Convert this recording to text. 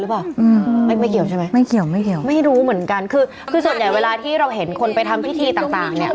หรือเปล่าอืมไม่ไม่เกี่ยวใช่ไหมไม่เกี่ยวไม่เกี่ยวไม่รู้เหมือนกันคือคือส่วนใหญ่เวลาที่เราเห็นคนไปทำพิธีต่างต่างเนี้ย